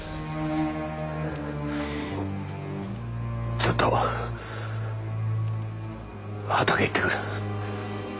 ちょっと畑へ行ってくる。